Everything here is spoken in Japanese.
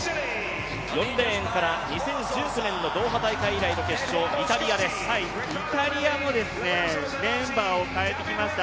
４レーンから２０１９年のドーハ大会以来の決勝、イタリアもメンバーを変えてきました。